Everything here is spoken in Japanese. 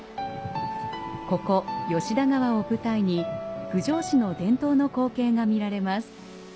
ここ吉田川を舞台に郡上市の伝統の光景が見られます。